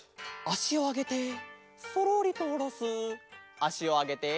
あしをあげてそろりとおろす。